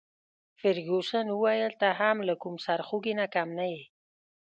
فرګوسن وویل: ته هم له کوم سرخوږي نه کم نه يې.